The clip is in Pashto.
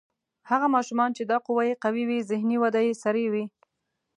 هغه ماشومان چې دا قوه یې قوي وي ذهني وده یې سریع وي.